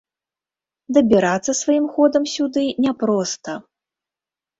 Дабірацца сваім ходам сюды няпроста.